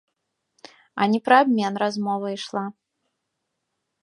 А не пра абмен размова ішла.